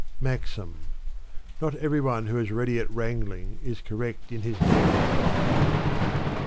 MAXIM. Not every one who is ready at wrangling is correct in his dealings.